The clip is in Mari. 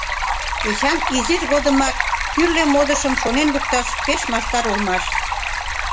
Эчан изиж годымак тӱрлӧ модышым шонен лукташ пеш мастар улмаш.